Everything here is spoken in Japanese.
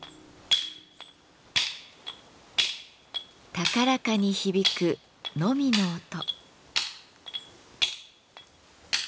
高らかに響くノミの音。